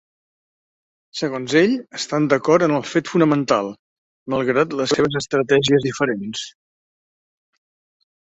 Segons ell, estan d’acord en el fet fonamental, malgrat les seves estratègies diferents.